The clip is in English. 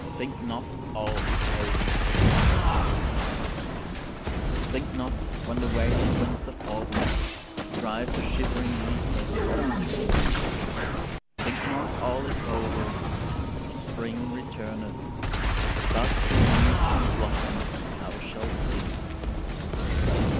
THINK NOT ALL IS OVER Think not, when the wailing winds of autumn Drive the shivering leaflets from the tree, Think not all is over: spring returneth, Buds and leaves and blossoms thou shalt see.